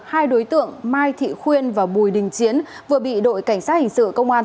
hai đối tượng mai thị khuyên và bùi đình chiến vừa bị đội cảnh sát hình sự công an